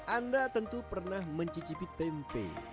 anda tentu pernah mencicipi tempe